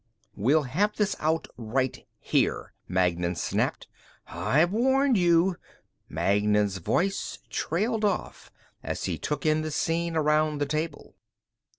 "We'll have this out right here," Magnan snapped. "I've warned you!" Magnan's voice trailed off as he took in the scene around the table.